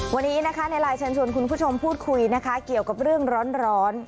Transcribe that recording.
วันนี้นะคะในไลน์เชิญชวนคุณผู้ชมพูดคุยนะคะเกี่ยวกับเรื่องร้อน